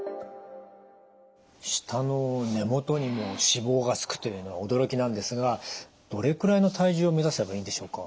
舌の根もとにも脂肪がつくというのは驚きなんですがどれくらいの体重を目指せばいいんでしょうか？